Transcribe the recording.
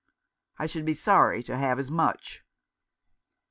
"I should be sorry to have as much."